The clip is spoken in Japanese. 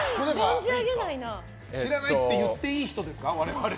知らないって言っていい人ですか、我々。